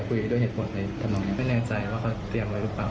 ก็ไม่แน่ใจว่าเขาเตรียมอะไรรึเปล่า